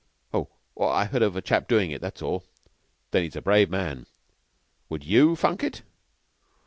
"Oh, I heard of a chap doin' it. That's all." "Then he's a brave man." "Would you funk it?"